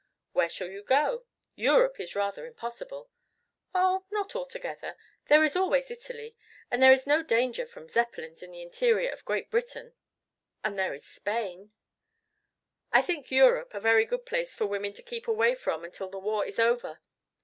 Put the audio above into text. "Where shall you go? Europe is rather impossible." "Oh, not altogether. There is always Italy. And there is no danger from Zeppelins in the interior of Great Britain. And there is Spain " "I think Europe a very good place for women to keep away from until the war is over.